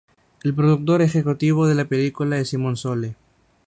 El productor ejecutivo de la película es Simon Sole.